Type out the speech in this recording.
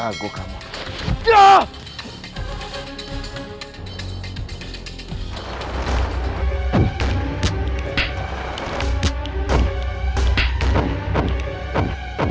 saya akan menjaga kamu